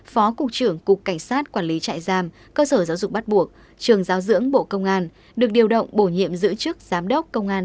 phó cục trưởng cục cảnh sát quản lý trại giam cơ sở giáo dục bắt buộc trường giáo dưỡng bộ công an